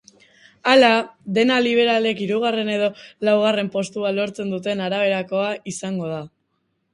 Hala, dena liberalek hirugarren edo laugarren postua lortzen duten araberakoa izango da.